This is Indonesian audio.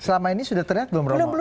selama ini sudah ternyata belum terjadi